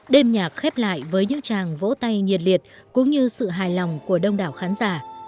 đêm nhạc khép lại với những chàng vỗ tay nhiệt liệt cũng như sự hài lòng của đông đảo khán giả